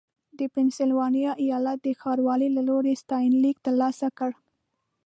د پنسلوانیا ایالت د ښاروال له لوري ستاینلیک ترلاسه کړ.